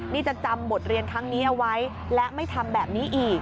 นี่จะจำบทเรียนครั้งนี้เอาไว้และไม่ทำแบบนี้อีก